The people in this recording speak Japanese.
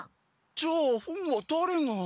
じゃあ本はだれが？